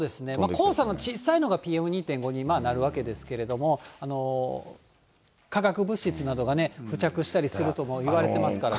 黄砂の小さいのがＰＭ２．５になるわけですけれども、化学物質などがね、付着したりするともいわれてますからね。